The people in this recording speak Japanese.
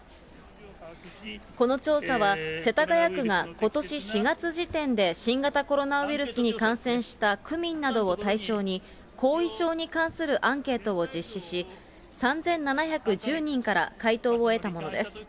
この調査は、世田谷区がことし４月時点で、新型コロナウイルスに感染した区民などを対象に、後遺症に関するアンケートを実施し、３７１０人から回答を得たものです。